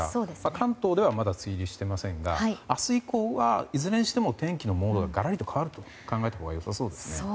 関東ではまだ梅雨入りしていませんが明日以降はいずれにしても天気のモードががらりと変わると考えてよさそうですね。